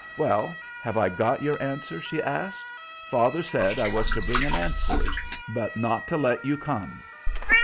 "Well, have I got your answer?" she asked. "Father said I was to bring an answer, but not to let you come."